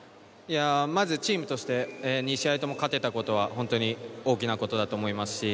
チームとして２試合とも勝てたことは大きなことだと思います。